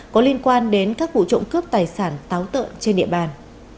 có liên quan đến các vụ trộm cướp tài sản táo tợn trên địa bàn